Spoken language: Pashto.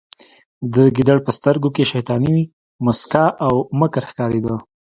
د ګیدړ په سترګو کې شیطاني موسکا او مکر ښکاریده